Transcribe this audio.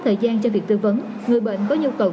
thời gian cho việc tư vấn người bệnh có nhu cầu